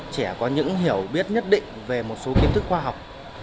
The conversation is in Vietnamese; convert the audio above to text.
trẻ có những hiểu biết nhất định về một số kiến thức khoa học